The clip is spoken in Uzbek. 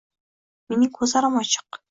Mening ko‘zlarim ochiq.